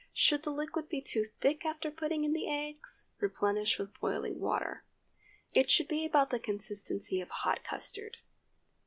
Should the liquid be too thick after putting in the eggs, replenish with boiling water. It should be about the consistency of hot custard.